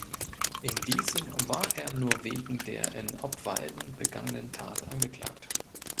In diesem war er nur wegen der in Obwalden begangenen Tat angeklagt.